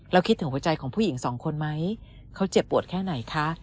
คิดถึงหัวใจของผู้หญิงสองคนไหมเขาเจ็บปวดแค่ไหนคะ